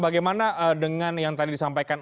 bagaimana dengan yang tadi disampaikan